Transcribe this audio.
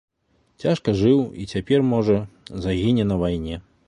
Цяжка жыў і цяпер, можа, загіне на вайне.